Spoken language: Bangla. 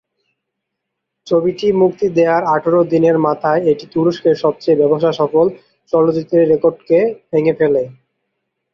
ছবিটি মুক্তি দেয়ার আঠারো দিনের মাথায় এটি তুরস্কের সবচেয়ে ব্যবসাসফল চলচ্চিত্রের রেকর্ডকে ভেঙে ফেলে।